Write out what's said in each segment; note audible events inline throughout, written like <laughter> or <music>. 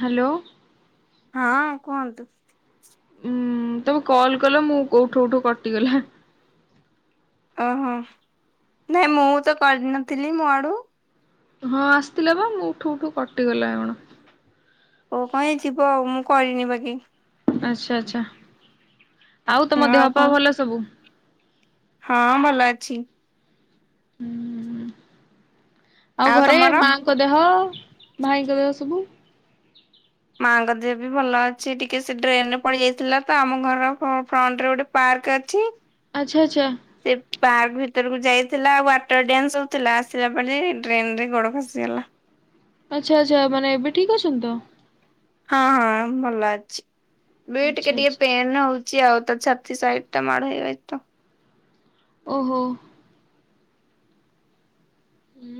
Hello. ହଁ କୁହନ୍ତୁ? ଉୁଁ ତମେ କଲ କଲ ମୁଁ କୋ ଉଠୋଉ ଉ ଠୋଉ କଟିଗଲା। ଅ ହ ନାଇଁ ମୁଁ ତ କରିନଥିଲି ମୋ ଆଡୁ। ହଁ ଆସିଥିଲା ବା ମୁଁ ଉଠୁ ଉଠୁ କଟିଗଲା କଣ। ଓ କଣ ଯିବ ଆଉ ମୁଁ କରିନି ବାକି। ଆଛା ଆଛା ଆଉ ତମ ଦେହ ପା ଭଲ ସବୁ? ହଁ ଭଲ ଅଛି। ହୁଁ ଆଉ ଘରେ ମାଙ୍କ ଦେହ ଭାଇଙ୍କ ଦେହ ସବୁ? ମାଙ୍କ ଦେହ ବି ଭଲ ଅଛି ଟିକେ ସେ ଡ୍ରେନ ରେ ପଡି ଯାଇଥିଲା ତ ଆମ ଘର ଫ୍ରଣ୍ଟ ରେ ଗୋଟେ ପାର୍କ ଅଛି। ଆଛା ଆଛା। ସେ ପାର୍କ ଭିତରକୁ ଯାଇଥିଲା ୱାଟର ଡ୍ୟାନ୍ ହେଉ ଥିଲା ଆସିଲା ବେଳେକୁ ଡ୍ରେନ୍ ରେ ଗୋଡ ଖସିଗଲା। ଆଛା ଆଛା ମାନେ ଏବେ ଠିକ୍ ଅଛନ୍ତି ତ? ହଁ ହଁ ଭଲ ଅଛି ବି ଆଚ୍ଛା ଟିକେ ଟିକେ ଆଚ୍ଛା ପେନ୍ ହୋଉଚି ଆଉ ତା ଛାତି ସାଇଡ ଟା ମାଡ ହେଇଯାଇଛି ତ। ଓହୋ।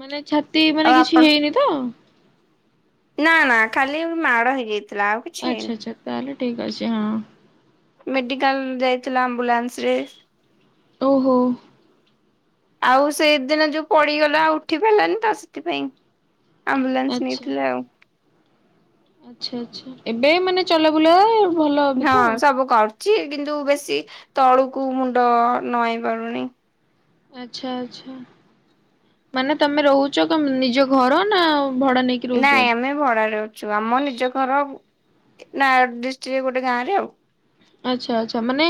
ମାନେ ଛାତି ଆଉ ମାନେ ଆପଣ କିଛି ହେଇନି ତ? ନା ନା ଖାଲି ମାଡ ହେଇଯାଇଥିଲା ଆଉ କି ଆଛା ଆଛା ତାହେଲେ ଠିକ୍ ଅଛି ହଁ। ମେଡିକାଲ ଯାଇଥିଲା ଆମ୍ବୁଲାନ୍ସ ରେ। ଓହୋ। ଆଉ ସେଦିନ ଯୋଉ ପଡିଗଲା ଉଠି ପାଇଲାନି ତ ସେଥିପାଇଁ। ଆମ୍ବୁଲାନ୍ସ ଆଚ୍ଛା। ନେଇଥିଲେ ଆଉ। ଛେ ଛେ ଏବେ ମାନେ ଚଲାବୁଲା ଭଲ ଏବେ ହଁ ତ। ସବୁ କରୁଛି କିନ୍ତୁ ବେଶୀ ତଳୁକୁ ମୁଣ୍ଡ ନଆଇ ପାରୁନି। ଆଛା ଆଛା ମାନେ ତମେ ରହୁଛ ନିଜ ଘର ନା ଭଡା ନେଇକି? ରହୁଛ ନାଇଁ ଏଠି? ଆମେ ଭଡାରେ ଅଛୁ ଆମ ନିଜ ଘର ନୟାଗଡ଼ ଡିଷ୍ଟ୍ରିକ୍ଟ ଗୋଟେ ଗାଁ ରେ ଆଉ। ଆଛା ଆଛା ମାନେ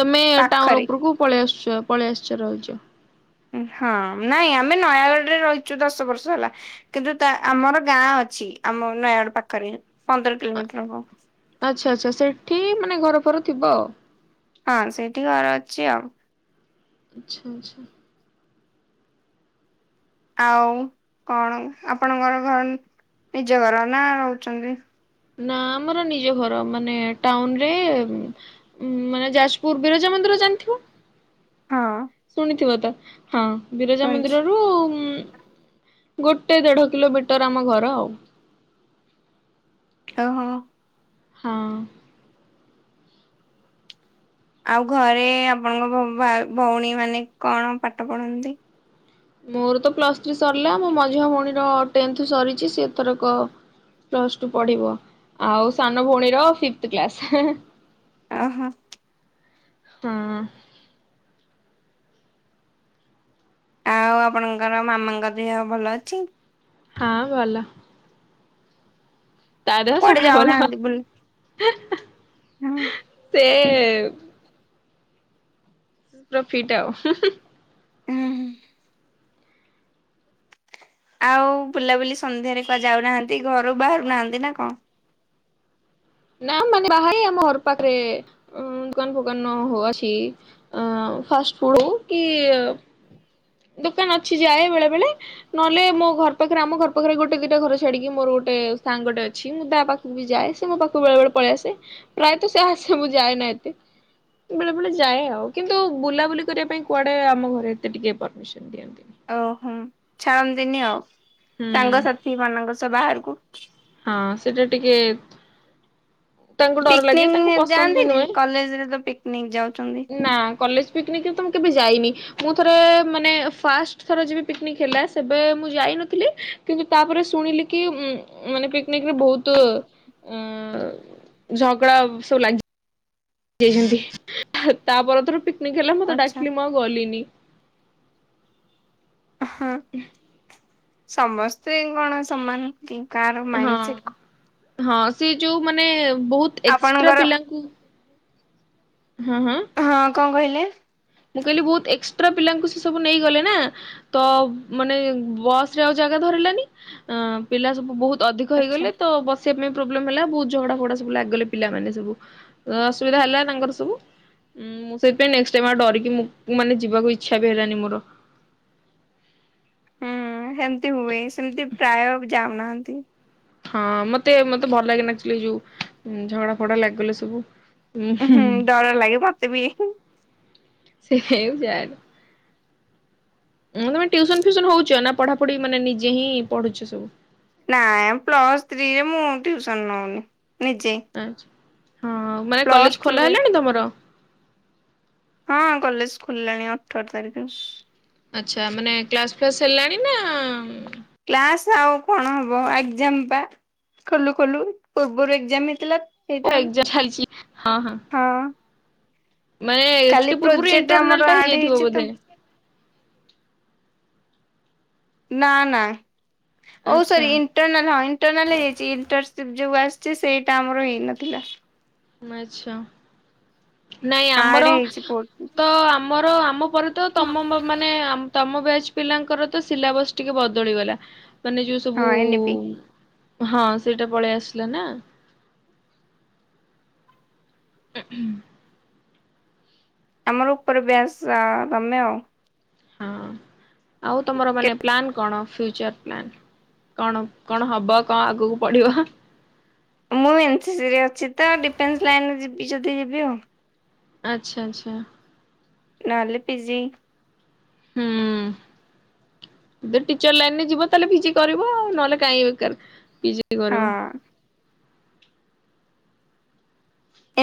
ତମେ ଟାଉନ ପାଖରେ ଉପରକୁ ପଳେଇ ଆସୁଛ ପଳେଇ ଆସିଛ ରହୁଛ? ହଁ ନାଇଁ ଆମେ ନୟାଗଡ଼ରେ ରହିଛୁ ଦଶ ବର୍ଷ ହେଲା କିନ୍ତୁ ତା ଆମର ଗାଁ ଅଛି ଆମ ନୟାଗଡ ପାଖରେ ପନ୍ଦର କିଲୋମିଟର ହବ। ଆଛା ଆଛା ସେଠି ମାନେ ଘର ଫର ଥିବ ଆଉ। ହଁ ସେଇଠି ଘର ଅଛି ଆଉ। ଆଛା ଆଛା। ଆଉ କଣ ଆପଣଙ୍କର ଘର ନିଜ ଘର ନା ରହୁଚନ୍ତି? ନା ଆମର ନିଜ ଘର ମାନେ ଟାଉନ ରେ ଉଁ ମାନେ ଯାଜପୁର ବିରଜା ମନ୍ଦିର ଜାନଥିବ। ହଁ। ଶୁଣିଥିବ ତ ହଁ ବିରଜା ଶୁଣିଛି। ମନ୍ଦିରରୁ ଗୋଟେ ଦେଢ କିଲୋମିଟର ଆମ ଘର ଆଉ। ଓହୋ। ହଁ। ଆଉ ଘରେ ଆପଣଙ୍କ ଭ ଭା ଭଉଣୀ ମାନେ କଣ ପାଠ ପଢନ୍ତି? ମୋର ତ ପ୍ଲସ୍ ଥ୍ରୀ ସରିଲା ମୋ ମଝିଆ ଭଉଣୀର ଟେନ୍ଥ ସରିଚି ସିଏ ଏଥରକ ପ୍ଲସ୍ ଟୁ ପଢି଼ବ ଆଉ ସାନ ଭଉଣୀର ଫିଫଥ କ୍ଲାସ୍। ଅହ। ହଁ। ଆଉ ଆପଣଙ୍କର ମାମାଙ୍କ ଦେହ ଭଲ ଅଛି? ହଁ ଭଲ। ତା ଦେହ କୁଆଡେ ସବୁବେଳେ ଭଲ ଯାଉନାହାନ୍ତି ବୁଲି? ହୁଁ। ସେ ପୁରା ଫିଟ୍ ଆଉ। ଆଉ ବୁଲାବୁଲି ସନ୍ଧ୍ୟାରେ କୁଆ ଯାଉନାହାନ୍ତି ଘରୁ ବାହାରୁ ନାହାନ୍ତି ନାଁ କଁ? ନାଁ ମାନେ ବାହା ଏ ଆମ ହର ପାଖରେ ଉଁ ଦୋକାନ ଫୋକାନ ହୋ ଅଛି। ଅଁ ଫାଷ୍ଟ ଫୁଡୁ ହୋଉ କି ଦୋକାନ ଅଛି ଯାଏ ବେଳେ ବେଳେ। ନହେଲେ ମୋ ଘର ପାଖରେ ଆମ ଘର ପାଖରେ ଗୋଟେ ଦିଟା ଘର ଛାଡି଼କି ମୋର ଗୋଟେ ସାଙ୍ଗଟେ ଅଛି ମୁଁ ତା ପା ବି ଯାଏ ସେ ମୋ ପାଖୁକୁ ବେଳେ ବେଳେ ପଳେଇ ଆସେ ପ୍ରାୟତଃ ସେ ଆସେ ମୁଁ ଯାଏ ନା ଏତେ। ବେଳେ ବେଳେ ଯାଏ ଆଉ କିନ୍ତୁ ବୁଲାବୁଲି କରିବା ପାଇଁ କୁଆଡ଼େ ଆମ ଘରେ ଏତେ ଟିକେ ପରମିସନ ଦିଅନ୍ତି। ଓ ହୁଁ ଛାଡ଼ନ୍ତିନି ଆଉ ହୁଁ ସାଙ୍ଗସାଥିମାନଙ୍କ ସହ ବାହାରକୁ। ହଁ ସେଟା ଟିକେ ତାଙ୍କୁ ଡର ଲାଗେ ତାଙ୍କୁ ପିକନିକ ପସନ୍ଦ ବି ଯାଆନ୍ତିନି ନୁହେଁ କଲେଜରେ ତ ପିକନିକ ଯାଉଛନ୍ତି ନାଁ। କଲେଜ ପିକନିକ୍ ରେ ତ ମୁଁ କେବେ ଯାଇନି। ମୁଁ ଥରେ ମାନେ ଫାଷ୍ଟ ଥର ଯେବେ ପିକନିକ ହେଲା ସେବେ ମୁଁ ଯାଇନଥିଲି। କିନ୍ତୁ ତାପରେ ଶୁଣିଲି କି ଉଁ ମାନେ ପିକନିକରେ ଭୋଉତୁ ଅଁ ଝଗଡା ସବୁ ଲାଗି ଯାଇଚନ୍ତି ତା ପର ଥର ପିକନିକ ହେଲା ମତେ ଆଚ୍ଛା। ଡାକିଲେ ମୁଁ ଆଉ ଗଲିନି। ହଁ ଉଁ ସମସ୍ତେ କଣ ସମାନ କି କାହାର ହଁ ମାଇଣ୍ଡ ସେଟ୍ କ ହଁ ସେ ଯୋଉ ମାନେ ବୋହୁତ ଏକ୍ସଟ୍ରା ଆପଣଙ୍କର ପିଲାଙ୍କୁ ହଁ ହଁ। ହଁ କଁ କହିଲେ? ମୁଁ କହିଲି ବୋହୁତ ଏକ୍ସଟ୍ରା ପିଲାଙ୍କୁ ସେ ସବୁ ନେଇଗଲେ ନା। ତ ମାନେ ବସ୍ ରେ ଆଉ ଜାଗା ଧରିଲାନି ଅଁ ପିଲା ସବୁ ବୋହୁ ଅଧିକ ଆଚ୍ଛା ହେଇଗଲେ ତ ବସିବା ପାଇଁ ପ୍ରୋବ୍ଲେମ ହେଲା ବୋହୁତ ଝଗଡ଼ା ଫଗଡା ସବୁ ଲାଗିଗଲେ ପିଲାମାନେ ସବୁ। ଅସୁବିଧା ହେଲା ତାଙ୍କର ସବୁ ଉଁ ମୁଁ ସେଇଥିଇଁ ନେକ୍ସ ଟାଇମ୍ ଆଉ ଡରି କି ମୁଁ ମାନେ ଯିବାକୁ ଇଚ୍ଛା ବି ହେଲାନି ମୋର। ହେମତି ହୁଏ ସେମତି ପ୍ରାୟ ଯାଉନାହାନ୍ତି। ହଁ ମତେ ମତେ ଭଲ ଲାଗେନା ଆକ୍ଚୁଲି ଏ ଯୋଉ ଉଁ ଝଗଡ଼ା ଫଗଡା ଲାଗିଗଲେ ସବୁ। ଉଁ ହୁଁ ଡର ଲାଗେ ମତେ ବି। ଏ ହେ ଯା ଉଁ ତମେ ଟ୍ୟୁସନ ଫ୍ୟୁସନ ହୋଉଚ ନାଁ ପଢ଼ାପଢ଼ି ମାନେ ନିଜେ ହିଁ ପଢୁଚ ସବୁ? ନାଇଁ ପ୍ଲସ୍ ଥ୍ରୀରେ ମୁଁ ଟ୍ୟୁସନ୍ ନଉନି ନିଜେ। ଆଁଚ୍ଛା ହଁ ମାନେ କଲେଜ ପ୍ଲସ ଖୋଲା ଟୁରେ ହେଲାଣି ତମର? ହଁ କଲେଜ ଖୋଲିଲାଣି ଅଠର ତାରିକି। ଆଚ୍ଛା ମାନେ କ୍ଲାସ୍ ଫ୍ଲାସ୍ ହେଲାଣି ନାଁ କ୍ଲାସ୍ ଆଉ କଣ ହବ ଏଗ୍ଜାମ ପା। ଖୋଲୁ ଖୋଲୁ ପୂର୍ବରୁ ଏଗ୍ଜାମ ହେଇଥିଲା। ଓ ସେଇଟା ଏଗ୍ଜା ଛାଲଚି ହଁ ହଁ। ମାନେ କାଲି ଏତେ ପୂର୍ବରୁ ପ୍ରୋଜେକ୍ଟ ଆମର ଇଣ୍ଟରନାଲ ଟା ଆଡ ହେଇଯାଇଥିବ ହେଇଛି ତ ବୋଧେ? ନା ନା ହଉ ଆଚ୍ଛା ସରି ଇନ୍ ଇଣ୍ଟରନାଲ ହଁ ଇଣ୍ଟରନାଲ ହେଇଯାଇଚି ଇଣ୍ଟରସିପ୍ ଯୋଉ ଆସିଚି ସେଇଟା ଆମର ହେଇନଥିଲା। ଆଚ୍ଛା ନାଇଁ ଆଡ ଆମର ହେଇଛି ପୋର୍ଟ ତ ଆମ ଆମର ଆମ ପରେ ତ ତମ ମାନେ ଆମ ତମ ବେଜ୍ ପିଲାଙ୍କର ତ ସିଲାବସ ଟିକେ ବଦଳିଗଲା। ମାନେ ଯୋଉ ହଁ ସବୁ ଏନପି ହଁ ସେଇଟା ପଳେଇ ଆସିଲା ନା। <inaudible> ଆମର ଉପରେ ବ୍ୟାସ ଆ ତମେ ଆଉ। ହଁ ଆଉ ତମର ମାନେ ପ୍ଲାନ କଣ ଫ୍ୟୁଚର ପ୍ଲାନ? କଣ କଣ ହବ କଣ ଆଗକୁ ପଢିବ? ମୁଁ ଏନ୍ ସି ସି ରେ ଅଛି ତ ଡିଫେନ୍ସ ଲାଇନ ରେ ଯିବି ଯଦି ଯିବି ଆଉ। ଆଚ୍ଛା ଆଚ୍ଛା। ନହେଲେ ପିଜି ହୁଁ। ଯଦି ଟିଚର ଲାଇନରେ ଯିବ ତାହେଲେ ପିଜି କରିବ ଆଉ ନହେଲେ କାହିଁ ବେକାର ପିଜି ହଁ କରିବ।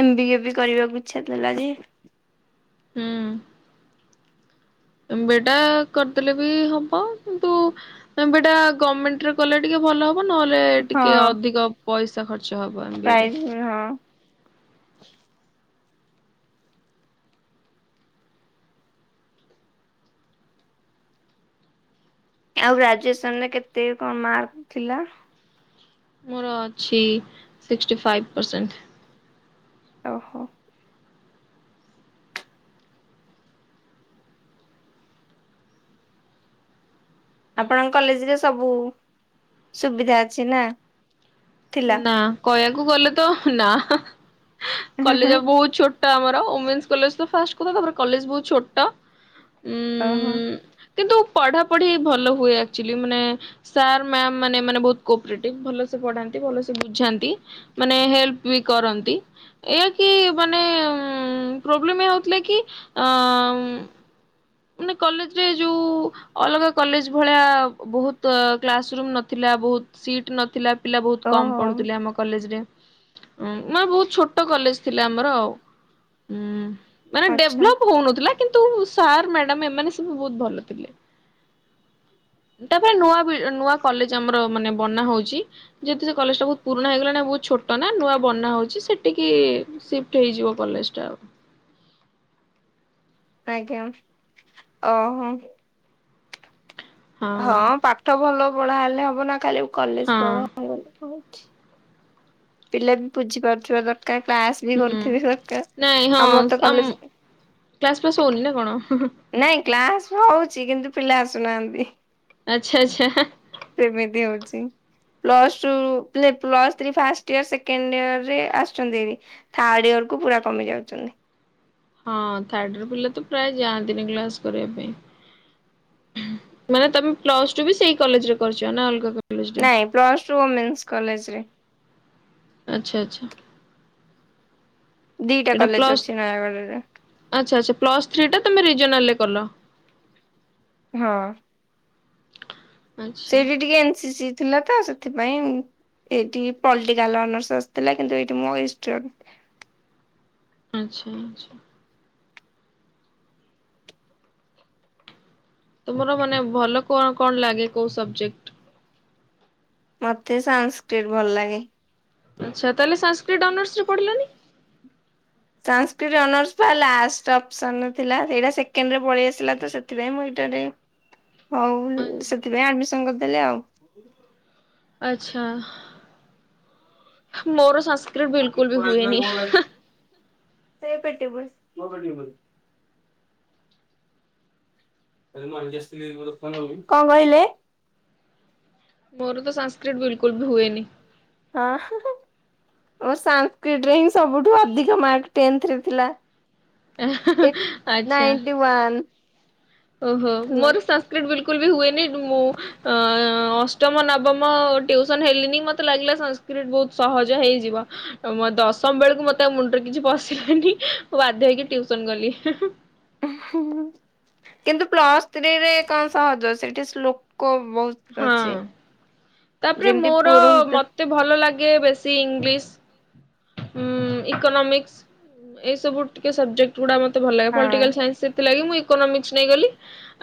ଏମ୍ ବି ଏ ବି କରିବାକୁ ଇଚ୍ଛା ଥିଲା ଯେ ହୁଁ। ଏମ୍ ବି ଏ ଟା କରିଦେଲେ ବି ହବ କିନ୍ତୁ ଏମ୍ ବି ଏ ଟା ଗର୍ମେଣ୍ଟରେ କଲେ ଟିକେ ଭଲ ହବ। ହବ ନହେଲେ ହଁ ଟିକେ ଅଧିକ ପଇସା ଖର୍ଚ୍ଚ ହବ ଏମ୍ ବି ଏ ରେ। ପ୍ରାଇଜ ହଁ। ଆଉ ଗ୍ରାଜୁଏସନ୍ ରେ କେତେ କଣ ମାର୍କ ଥିଲା? ମୋର ଅଛି ସିକ୍ସଟି ଫାଇଭ ପରସେଣ୍ଟ। ଓହୋ। ଆପଣଙ୍କ କଲେଜ ରେ ସବୁ ସୁବିଧା ଅଛି ନା? ଥିଲା ନା କହିଆକୁ ଗଲେ ତ ନା କଲେଜ ବହୁତ ଛୋ ଛୋଟ ଆମର ଓମେନ୍ସ କଲେଜ୍ ତ ଫାଷ୍ଟ କଥା ତାପରେ କଲେଜ୍ ବହୁତ ଛୋଟ। ଓହୋ। ଉଁ କିନ୍ତୁ ପଢାପଢି ଭଲ ହୁଏ ଆକ୍ଚୁଆଲି ମାନେ ସାର୍ ମ୍ୟାମ୍ ମାନେ ମାନେ ଏମାନେ ବହୁତ୍ କୋପ୍ରେଟିଭ ଭଲ ସେ ପଢାନ୍ତି। ପଢ଼ନ୍ତି ଭଲସେ ବୁଝାନ୍ତି ମାନେ ହେଲ୍ପ ବି କରନ୍ତି। ଏଇଆ କି ମାନେ ଉଁ ପ୍ରୋବ୍ଲେମ ଏଇଆ ହଉଥିଲା କି ଅଁ ମାନେ କଲେଜରେ ଯୋଉ ଅଲଗା କଲେଜ ଭଳିଆ ବହୁତ କ୍ଲାସ ରୁମ ନଥିଲା ବହୁତ ସିଟ ନଥିଲା। ପିଲା ବହୁତ କମ୍ ଓହୋ ପଢୁଥିଲେ ଆମ କଲେଜ ରେ। ଉଁ ମା ବହୁତ ଛୋଟ କଲେଜ ଥିଲା ଆମର ଆଉ ଉଁ। ମାନେ ଆଚ୍ଛା। ଡେଭଲପ୍ ହଉନଥିଲା କିନ୍ତୁ ସାର୍ ମ୍ୟାଡାମ ଏମାନେ ସବୁ ବହୁତ ଭଲ ଥିଲେ। ତାପରେ ନୂଆ ବି ନୂଆ କଲେଜ ଆମର ମାନେ ବନା ହଉଚି। ଯେହେତୁ ସେ କଲେଜ ଟା ବହୁତ ପୁରୁଣା ହେଇଗଲାଣି ଆଉ ବହୁତ ଛୋଟ ନା ନୂଆ ବନା ହଉଚି ସେଠିକି ସିଫ୍ଟ ହେଇଯିବ କଲେଜ ଟା ଆଉ। ଆଜ୍ଞା ଓହୋ। ହଁ ପାଠ ଭଲ ପଢା ହେଲେ ହବ ନା ଖାଲି କଲେଜ ହଁ ପଢ <inaudible> ପିଲା ବି ବୁଝି ପାରୁଥିବା ଦରକାର କ୍ଲାସ ବି ହୁଁ। କରୁଥିବା ନାଇଁ ଦରକାର ହଁ ଆମର ତ ଆମ କଲେଜ କ୍ଲାସ ପ୍ଲାସ ହଉନି ନା କଣ? ନାଇଁ କ୍ଲାସ ହଉଚି କିନ୍ତୁ ପିଲା ଆସୁନାହାନ୍ତି। ଆଚ୍ଛା ଆଚ୍ଛା। ସେମିତି ହଉଚି। Plus ଟୁଲେ-ପ୍ଲସ three first year second year ରେ ଆସଚନ୍ତି। ଥାର୍ଡ ଇୟର କୁ ପୁରା କମି ଯାଉଚନ୍ତି। ହଁ ଥାର୍ଡିରେ ପିଲା ତ ପ୍ରାୟ ଯାଆନ୍ତିନି କ୍ଲାସ କରିବା ପାଇଁ। ମାନେ ତମେ ପ୍ଲସ ଟୁ ବି ସେଇ କଲେଜରେ କରିଚ ନା ଅଲଗା କଲେଜରେ? ନାଇଁ ପ୍ଲସ ଟୁ ଓମେନ୍ସ କଲେଜ୍ ରେ। ଆଚ୍ଛା ଆଚ୍ଛା। ଦିଟା ଏଇଟା କଲେଜ୍ ପ୍ଲସ୍ ଅଛି ନୟାଗଡ଼ରେ। ଆଚ୍ଛା ଆଚ୍ଛା ପ୍ଲସ୍ ଥ୍ରୀ ଟା ତମେ ରିଜନାଲ ରେ କଲ। ହଁ। ଆଚ୍ଛା ସେଇଠି ଟିକେ ଏନସି ସି ଥିଲା ତ ସେଥିପାଇଁ ଏଇଠି ପଲିଟିକାଲ ଅନର୍ସ ଆସିଥିଲା କିନ୍ତୁ ଏଇଠି ମୋ ହିଷ୍ଟ୍ ଆଚ୍ଛା ଆଛା। ତମର ମାନେ ଭଲ କଣ କଣ ଲାଗେ କୋଉ ସବଜେକ୍ଟ? ମତେ ସାନ୍ସ୍କ୍ରି ଟ୍ ଭଲ୍ ଲାଗେ। ଆଚ୍ଛା ତାହେଲେ ସାନ୍ସ୍କ୍ରି ଟ୍ ଅନରସ୍ ରେ ପଢିଲନି? ସାନ୍ସ୍କ୍ରି ଟ୍ ଅନରସ୍ ପା ଲାଷ୍ଟ ଅପସନ ରେ ଥିଲା ସେଇଟା ସେକଣ୍ଡରେ ପଳେଇ ଆସିଲା ତ ସେଥିପାଇଁ ମୁଁ ଏଇଟା ନେଇ ହଉ ସେଥିପାଇଁ ଆଡମିସନ କରିଦେଲି ଆଉ। ଆଚ୍ଛା ମୋର୍ ସଂସ୍କ୍ରିଟ୍ ସେ ବିଲ୍କୁଲ୍ ବି ହୁଏନି। ସେ ପେଟି ପର୍ କଁ କହିଲେ? ମୋର ତ ସଂସ୍କ୍ରିଟ୍ ବିଲ୍ କୁଲ୍ ବି ହୁଏନି। ହଁ। ଉଁ ସାନ୍ କ୍ରିଟ୍ଟ ରେ ସବୁଠୁ ଅଧିକ ମାର୍କ ଟେନ୍ଥ ରେ ଥିଲା। ଏ ଆଚ୍ଛା। ନାଇଣ୍ଟିୱାନ୍। ଓହୋ ମୋର ସଂସ୍କ୍ରିଟ୍ ବିଲକୁଲ ବି ହୁଏନି ମୁଁ ଅ ଅଷ୍ଟମ ନବମ ଟ୍ୟଉସନ ହେଲିନି ମତେ ଲାଗିଲା ସଂସ୍କୃତ ବହୁତ ସହଜ ହେଇଯିବ ମ ଦଶମ ବେଳକୁ ମତେ ଆଉ ମୁଣ୍ଡରେ କିଛି ପଶିଲାନି ମୁଁ ବାଧ୍ୟ ହେଇକି ଟ୍ୟୁସନ୍ ଗଲି। କିନ୍ତୁ ପ୍ଲସ୍ ସ୍ତ୍ରୀରେ କଣ ସହଜ ସେଠି ଶ୍ଳୋକ ବହୁତ୍। ହଁ ତାପରେ ମୋର ପୁରୋହିତ ମତେ ଭଲ ଲାଗେ ବେଶୀ ଇଂଲିଶ୍। ଉଁ ଇକୋନୋମିକ୍ସ ଏଇ ସବୁ ଟିକେ ସବଜେକ୍ଟ ଗୁଡା ମତ୍ ମତେ ଭଲ୍ ଲାଗେ ହଁ ପଲଟିକାଲ୍ ସାଇନ୍ସ ସେତି ଲାଗି ମୁଁ ଇକୋନୋମିକ୍ସ ନେଇଗଲି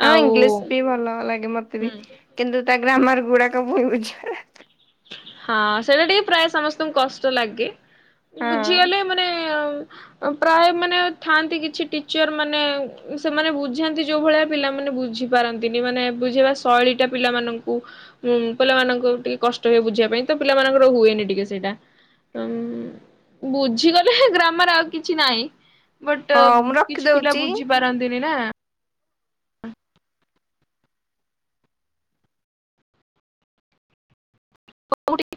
ହଁ ଆଉ ଇଂଲିଶ ବି ଭଲ ଲାଗେ ମତେ ହୁଁ ବି କିନ୍ତୁ ତା ଗ୍ରାମର୍ ଗୁଡାକ ଭୁ ବୁଝିବା ହଁ ସେଇଟା ଟିକେ ପ୍ରାୟ ସମସ୍ତଙ୍କୁ କଷ୍ଟ ଲାଗେ। ହଁ ବୁଝିଗଲେ ମାନେ ପ୍ରାୟ ମାନେ ଥାଆନ୍ତି କିଛି ଟିଚର୍ ମାନେ ସେମାନେ ବୁଝାନ୍ତି ଯୋଉ ଭଳିଆ ପିଲାମାନେ ବୁଝି ପାରନ୍ତିନି ମାନେ ବୁଝେଇବା ଶୈଳୀ ଟା ପିଲାମାନଙ୍କୁ ପିଲାମାନଙ୍କୁ ଟିକେ କଷ୍ଟ ହ ବୁଝିବା ପାଇଁ ତ ପିଲାମାନଙ୍କର ହୁଏନି ଟିକେ ସେଇଟା। ତ ଉଁ ବୁଝିଗଲେ ଗ୍ରାମର୍ ଆଉ କିଛି ନାହିଁ। ବଟ୍ ହଉ ମୁଁ କିଛି ପିଲା ରଖିଦଉଛି। ବୁଝି ପାରନ୍ତିନି ନା। <unintelligible>